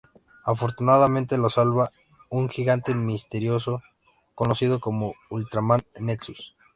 Afortunadamente, lo salva un gigante misterioso, conocido como Ultraman Nexus.